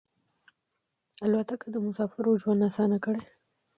الوتکه د مسافرو ژوند اسانه کړی.